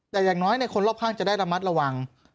แต่อย่างน้อยคนรอบข้างจะได้ระมัดระวัง